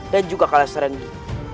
dan juga kalas serenggut